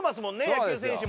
野球選手も。